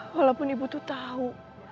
walaupun ibu tuh tau